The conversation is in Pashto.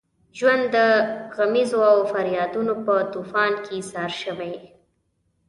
ژوند د غمیزو او فریادونو په طوفان کې ایسار شوی.